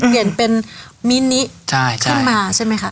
เปลี่ยนเป็นมินิขึ้นมาใช่ไหมคะ